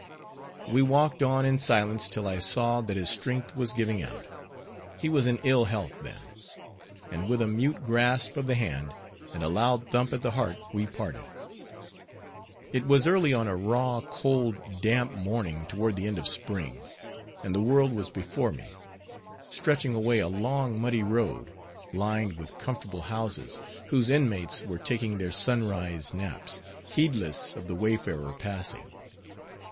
We walked on in silence till I saw that his strength was giving out,—he was in ill health then,—and with a mute grasp of the hand, and a loud thump at the heart, we parted. It was early on a raw, cold, damp morning toward the end of spring, and the world was before me; stretching away a long muddy road, lined with comfortable houses, whose inmates were taking their sunrise naps, heedless of the wayfarer passing.